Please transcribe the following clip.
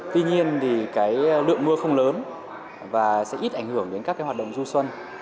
tuy nhiên thì cái lượng mưa không lớn và sẽ ít ảnh hưởng đến các cái hoạt động du xuân